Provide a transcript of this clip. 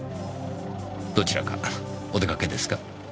どちらかお出かけですか？